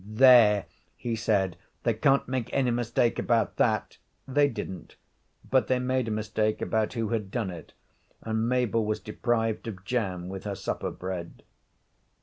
'There!' he said; 'they can't make any mistake about that.' They didn't. But they made a mistake about who had done it, and Mabel was deprived of jam with her supper bread.